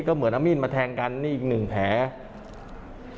ก็เหมือนเอามีดมาแทงกันนี่อีกหนึ่งแผล